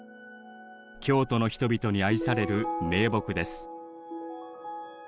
京都の人々に愛される名木です。